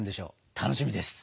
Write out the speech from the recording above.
楽しみです！